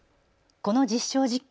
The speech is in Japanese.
この実証実験。